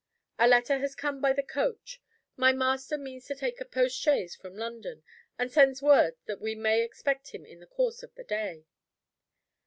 A letter has come by the coach. My master means to take a post chaise from London, and sends word that we may expect him in the course of the day."